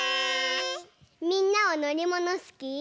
みんなはのりものすき？